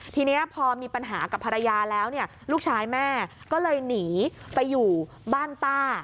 ทีนี้พอมีปัญหากับภรรยาแล้วเนี่ยลูกชายแม่ก็เลยหนีไปอยู่บ้านป้า